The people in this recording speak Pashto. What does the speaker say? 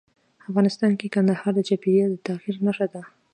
افغانستان کې کندهار د چاپېریال د تغیر نښه ده.